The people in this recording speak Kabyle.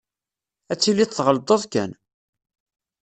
Ad tiliḍ tɣelṭeḍ kan.